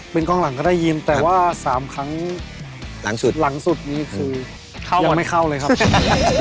เป็นกองหลังก็ได้ยินแต่ว่า๓ครั้งหลังสุดยังไม่เข้าเลยครับ